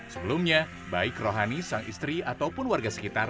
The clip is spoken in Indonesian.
sebelumnya baik rohani sang istri ataupun warga sekitar